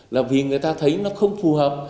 là vì người ta thấy nó không phù hợp